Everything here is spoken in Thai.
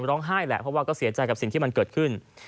ร้องไห้แหละเพราะว่าก็เสียใจกับสิ่งที่มันเกิดขึ้น